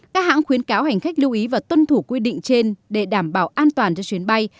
các hãng khuyến cáo hành khách lưu ý và tuân thủ quy định trên để đảm bảo an toàn cho chuyến bay